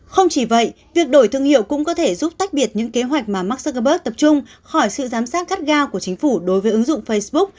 không chỉ vậy việc đổi thương hiệu cũng có thể giúp tách biệt những kế hoạch mà mark zuckerberg tập trung khỏi sự giám sát gắt gao của chính phủ đối với ứng dụng facebook